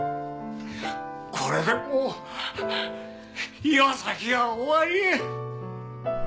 これでもう岩崎は終わりや。